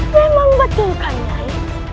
memang betul kan nyai